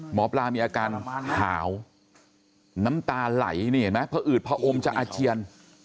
หมอปลามีอาการหาวน้ำตาไหลนี่เห็นไหมพออืดพออมจะอาเจียน